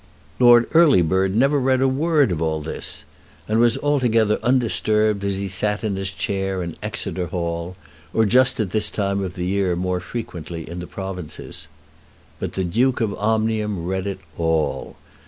Lord Earlybird never read a word of all this, and was altogether undisturbed as he sat in his chair in Exeter Hall, or just at this time of the year more frequently in the provinces. But the Duke of Omnium read it all.